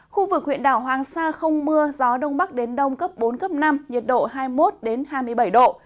khu vực huyện đảo hoàng sa không mưa gió đông bắc đến đông cấp bốn cấp năm nhiệt độ hai mươi một hai mươi bảy độ